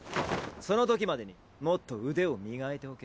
そのときまでにもっと腕を磨いておけ。